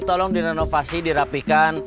tolong direnovasi dirapihkan